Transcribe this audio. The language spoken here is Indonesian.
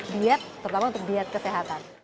diet terutama untuk diet kesehatan